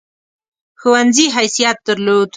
ښوونځي حیثیت درلود.